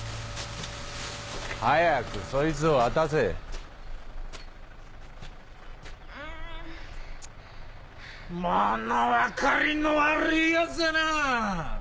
早くそいつを渡せうー物分かりの悪い奴だなあ